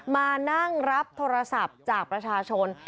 มานั่งรับโทรศัพท์จากประชาชน